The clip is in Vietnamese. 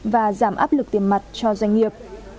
và giảm áp lực tiền mặt cho doanh nghiệp